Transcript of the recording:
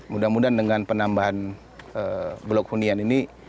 mudah mudahan dengan penambahan blok hunian ini